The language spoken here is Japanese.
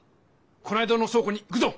この間のそう庫に行くぞ！